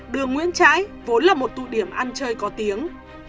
đường nguyễn trãi vốn là một tụ điểm ăn chơi có tiếng